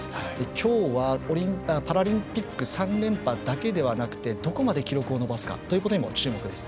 今日はパラリンピック３連覇だけではなくてどこまで記録を伸ばすかということにも注目です。